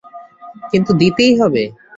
কিন্তু দিতেই হবে।